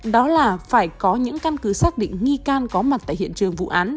đó là phải có những căn cứ xác định nghi can có mặt tại hiện trường vụ án